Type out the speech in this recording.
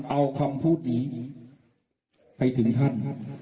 เอาคำพูดนี้ไปถึงท่าน